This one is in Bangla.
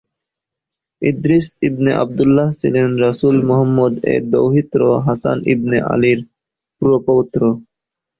ইদ্রিস ইবনে আবদুল্লাহ ছিলেন রাসুল মুহাম্মাদ এর দৌহিত্র হাসান ইবনে আলীর প্র-পৌত্র।